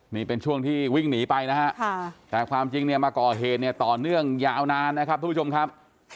นี่เป็นช่วงที่วิ่งหนีไปนะฮะแต่ความจริงเนี่ยมาก่อเหตุเนี่ยต่อเนื่องยาวนานนะครับทุกผู้ชมครับ